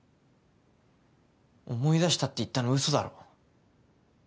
「思い出した」って言ったのウソだろ？